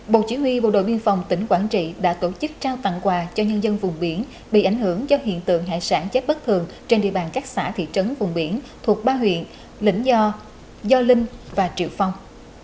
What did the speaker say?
bộ chỉ huy bộ đội biên phòng tỉnh quảng trị đã tổ chức trao tặng quà cho nhân dân vùng biển bị ảnh hưởng do hiện tượng hải sản chết bất thường trên địa bàn các xã thị trấn vùng biển thuộc ba huyện lĩnh gio linh và triệu phong